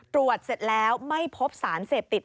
ตรวจเสร็จแล้วไม่พบสารเสพติด